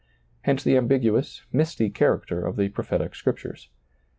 Hence the ambiguous, misty character of the pro phetic Scriptures.